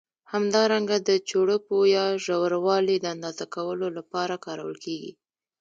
همدارنګه د چوړپو یا ژوروالي د اندازه کولو له پاره کارول کېږي.